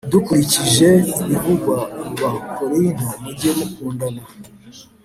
Dukurikije ibivugwa mu Abakorinto mujye mukundana